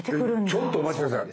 ちょっとお待ち下さい。